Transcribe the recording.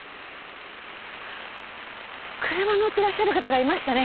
車乗ってらっしゃる方がいましたね。